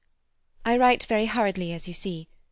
"I write very hurriedly, as you see.